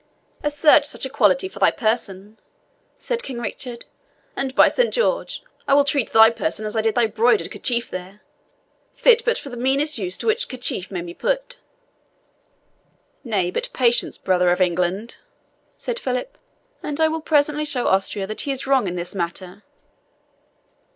"Assert such equality for thy person," said King Richard, "and, by Saint George, I will treat thy person as I did thy broidered kerchief there, fit but for the meanest use to which kerchief may be put." "Nay, but patience, brother of England," said Philip, "and I will presently show Austria that he is wrong in this matter.